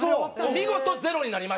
見事ゼロになりまして。